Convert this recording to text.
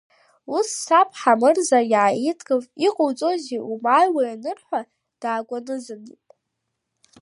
Ус, саб Ҳамырза иааидгылт, иҟоуҵозеи, умааиуеи, анырҳәа, даакәанызанит.